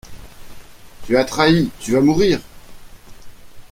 Tu as trahi !… tu vas mourir !